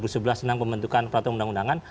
tentang pembentukan peraturan undang undangan